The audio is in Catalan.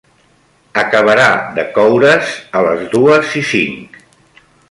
Acabarà de coure's a les dues i cinc.